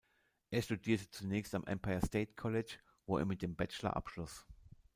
Er studierte zunächst am "Empire State College", wo er mit dem Bachelor abschloss.